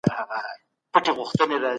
بهرنۍ پالیسي بې له معلوماتو نه پیاوړې کيږي.